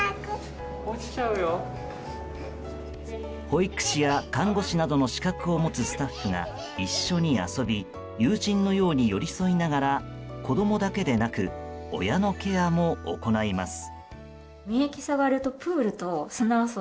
保育士や看護師などの資格を持つスタッフが一緒に遊び友人のように寄り添いながら子供だけでなく親のケアも行います。